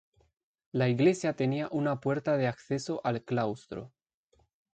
La iglesia tenía una puerta de acceso al claustro.